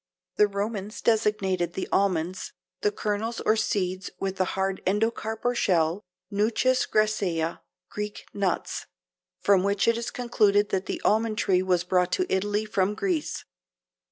The Romans designated the almonds (the kernels or seeds with the hard endocarp or shell) Nuces graecae (Greek nuts), from which it is concluded that the almond tree was brought to Italy from Greece.